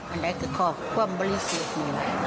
อันดังที่ขอบความบริสุทธิ์